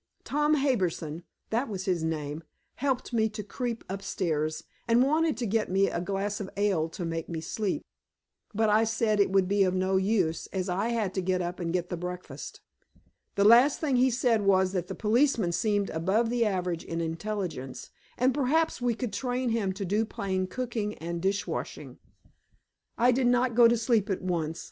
Tom Harbison that was his name helped me to creep upstairs, and wanted to get me a glass of ale to make me sleep. But I said it would be of no use, as I had to get up and get the breakfast. The last thing he said was that the policeman seemed above the average in intelligence, and perhaps we could train him to do plain cooking and dishwashing. I did not go to sleep at once.